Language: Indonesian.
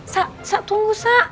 sa sa tunggu sa